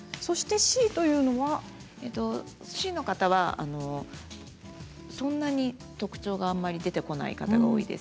Ｃの方は、そんなに特徴があまり出てこない方が多いです。